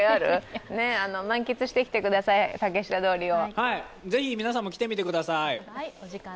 満喫してきてください、竹下通りを。